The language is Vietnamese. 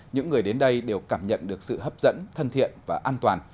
những người đến đây đều cảm nhận được sự hấp dẫn thân thiện và an toàn